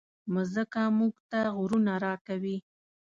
مځکه موږ ته غرونه راکوي.